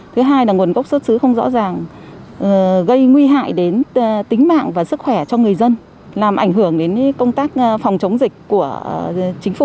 thứ hai là nguồn gốc xuất xứ không rõ ràng gây nguy hại đến tính mạng và sức khỏe cho người dân làm ảnh hưởng đến công tác phòng chống dịch của chính phủ